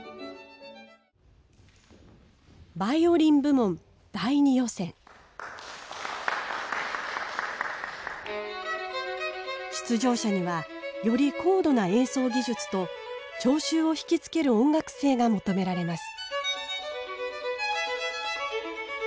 バイオリン部門出場者にはより高度な演奏技術と聴衆をひきつける音楽性が求められます。